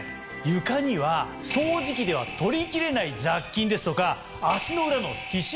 床には掃除機では取り切れない雑菌ですとか足の裏の皮脂汚れ